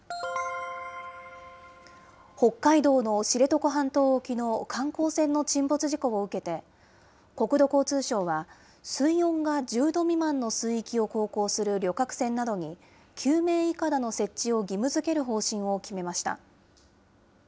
北海道の知床半島沖の観光船の沈没事故を受けて、国土交通省は、水温が１０度未満の水域を航行する旅客船などに、救命いかだの設置を義務づける方針を決めました。